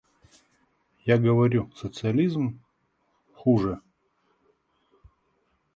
Я говорю социализм — хуже.